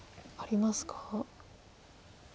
ありますか？